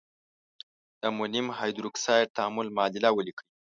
د امونیم هایدرواکساید تعامل معادله ولیکئ.